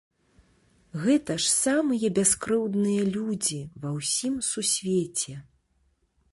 Гэта ж самыя бяскрыўдныя людзі ва ўсім сусвеце!